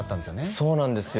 そうなんですよ